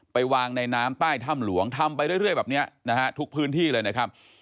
ไปวางในน้ำใต้ถ้ำหลวงทำไปเรื่อยแบบนี้นะฮะทุกพื้นที่เลยนะครับ